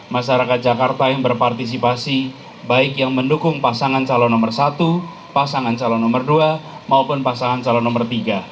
masyarakat jakarta yang berpartisipasi baik yang mendukung pasangan calon nomor satu pasangan calon nomor dua maupun pasangan calon nomor tiga